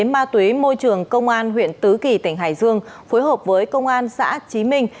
ma túy môi trường công an huyện tứ kỳ tỉnh hải dương phối hợp với công an xã trí minh